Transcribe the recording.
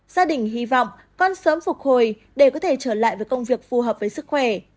gia đình hy vọng con sớm phục hồi để có thể trở lại với công việc phù hợp với sức khỏe